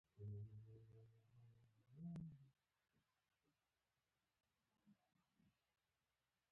زده کړه د نجونو د څیړنې مهارتونه لوړوي.